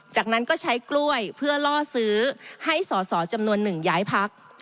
จากนั้นก็ใช้กล้วยเพื่อล่อซื้อให้สอสอจำนวนหนึ่งย้ายพัก